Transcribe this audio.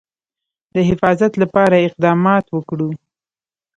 د حفاظت لپاره اقدامات وکړو.